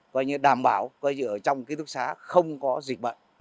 và đảm bảo ở trong ký túc xá không có dịch bệnh